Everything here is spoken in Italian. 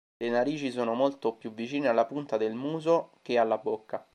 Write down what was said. Le narici sono molto più vicine alla punta del muso che alla bocca.